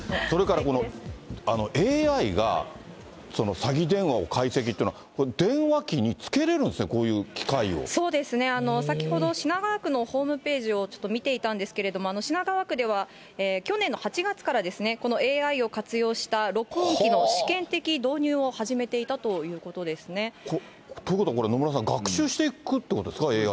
それからこの、ＡＩが詐欺電話を解析っていうのは、電話機に付けれるんですね、そうですね、先ほど品川区のホームページをちょっと見ていたんですけれども、品川区では、去年の８月からこのＡＩを活用した録音機の試験的導入を始めていということは、野村さん、学習していくということですか？